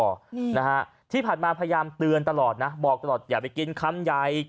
อืมนะฮะที่ผ่านมาพยายามเตือนตลอดนะบอกตลอดอย่าไปกินคำใหญ่